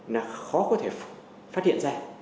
là khó có thể phát hiện ra